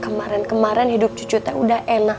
kemarin kemarin hidup cucu teh udah enak